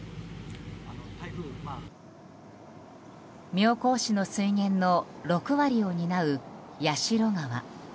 妙高市の水源の６割を担う矢代川。